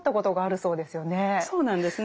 そうなんですね。